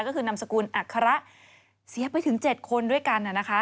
ก็คือนามสกุลอัคระเสียไปถึง๗คนด้วยกันนะคะ